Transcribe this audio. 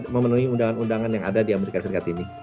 memenuhi undangan undangan yang ada di amerika serikat ini